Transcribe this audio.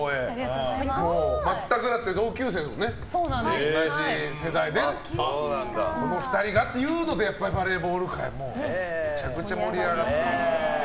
だって同級生で、同じ世代でねこの２人がっていうのでバレーボール界がめちゃくちゃ盛り上がりましたから。